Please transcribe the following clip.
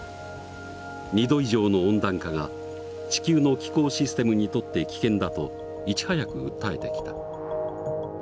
２℃以上の温暖化が地球の気候システムにとって危険だといち早く訴えてきた。